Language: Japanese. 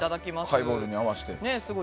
ハイボールに合わせて。